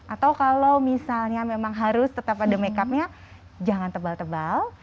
atau kalau misalnya memang harus tetap ada makeupnya jangan tebal tebal